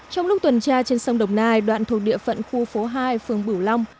trong lúc tuần tra trên sông đồng nai đoạn thuộc địa phận khu phố hai phường bửu long